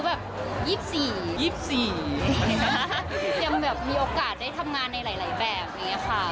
ยังแบบมีโอกาสได้ทำงานในหลายแบบอย่างนี้ค่ะ